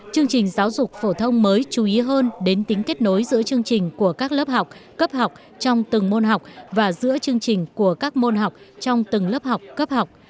chương trình giáo dục phổ thông mới chú ý hơn đến tính kết nối giữa chương trình của các lớp học cấp học trong từng môn học và giữa chương trình của các môn học trong từng lớp học cấp học